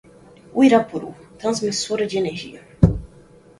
Uirapuru Transmissora de Energia